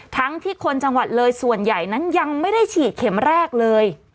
ทั้งที่คนจังหวัดเลยส่วนใหญ่นั้นยังไม่ได้ฉีดเข็มแรกเลย